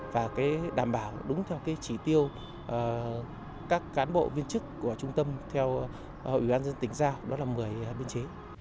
và đúng theo chỉ tiêu các cán bộ viên chức của trung tâm theo hội ủy ban dân tỉnh ra đó là một mươi biên chế